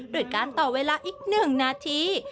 โดยการต่อเวลาอีก๑นาที